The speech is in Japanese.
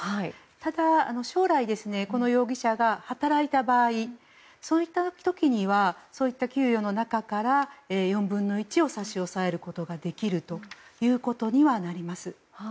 ただ、将来この容疑者が働いた場合にはそういった給料の中から４分の１を差し押さえることはできることになります。